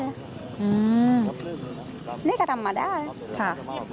ชัยงกันมาได้นะ